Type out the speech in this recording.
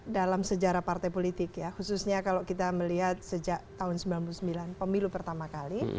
dalam sejarah partai politik ya khususnya kalau kita melihat sejak tahun seribu sembilan ratus sembilan puluh sembilan pemilu pertama kali